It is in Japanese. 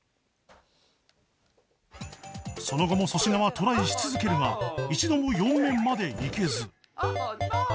その後も粗品はトライし続けるが一度も４面まで行けず